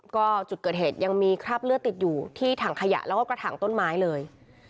ก็จุดเกิดเหตุยังมีคราบเลือดติดอยู่ที่ถังขยะแล้วก็กระถางต้นไม้เลย